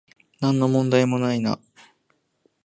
なんの問題もないな